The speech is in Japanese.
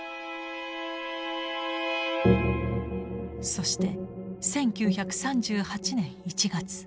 そして１９３８年１月。